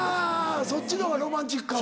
そっちのがロマンチックかも。